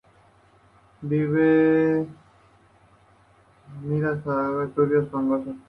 Vive en pantanos, marismas, aguas turbias y fangosas.